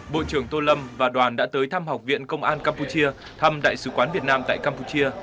bộ trưởng tô lâm và đoàn đã tới thăm học viện công an campuchia thăm đại sứ quán việt nam tại campuchia